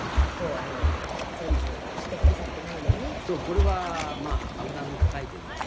これはまあ爆弾を抱えてね